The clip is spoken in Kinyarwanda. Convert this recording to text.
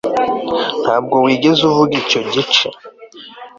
ntabwo wigeze uvuga icyo gice